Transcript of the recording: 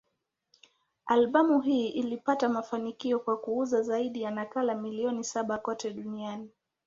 Albamu hii ilipata mafanikio kwa kuuza zaidi ya nakala milioni saba kote duniani.